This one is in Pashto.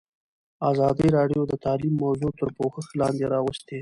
ازادي راډیو د تعلیم موضوع تر پوښښ لاندې راوستې.